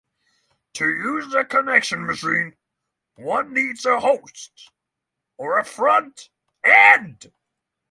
To use a Connection Machine, one needed a host or 'front-end'.